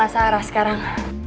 saya arah sekarang